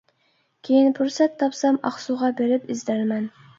كىيىن پۇرسەت تاپسام ئاقسۇغا بېرىپ ئىزدەرمەن.